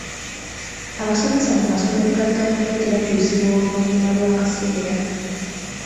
Abasomesa mu masomero ga gavumenti bakyusibwa oluvannyuma lw'akaseera.